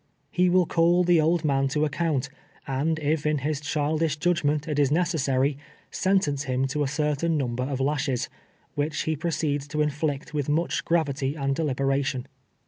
lie ■will call the old man to account, and if in his child ish judgment it is necessary, sentence him to a cer tain number of lashes, which he proceeds to inflict with much gravity and deliberation.